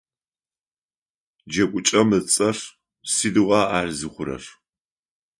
Джэгукӏэм ыцӏэр: «Сыдигъуа ар зыхъурэр?».